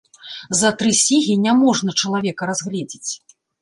За тры сігі няможна чалавека разгледзець.